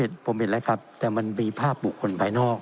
ผมเห็นแล้วครับแต่มันมีภาพบุคคลภายนอก